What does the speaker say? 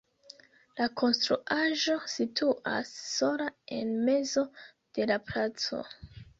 La konstruaĵo situas sola en mezo de la placo.